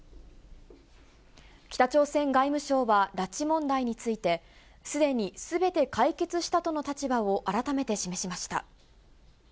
北朝鮮外務省は、拉致問題について、すでにすべて解決したとの立場を改めて示しました。